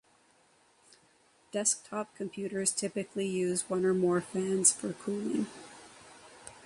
Desktop computers typically use one or more fans for cooling.